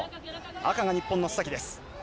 赤が日本の須崎です。